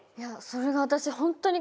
それが私